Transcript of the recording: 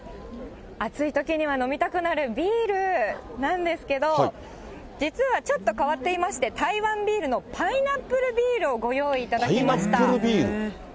暑いときには飲みたくなるビールなんですけど、実はちょっと変わっていまして、台湾ビールのパイナップルビールをご用意いただきました。